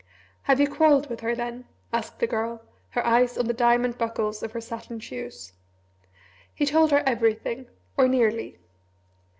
"Have you quarrelled with her, then?" asked the Girl, her eyes on the diamond buckles of her satin shoes. He told her everything or nearly.